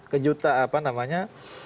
kejutaan apa namanya